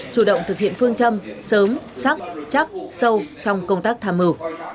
chủ động thực hiện phương châm sớm sắc chắc sâu trong công tác tham mưu